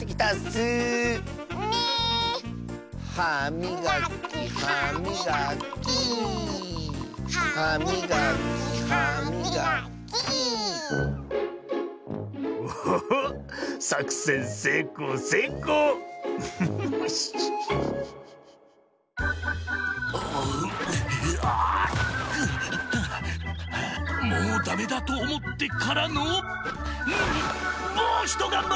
はあもうダメだとおもってからのもうひとがんばり！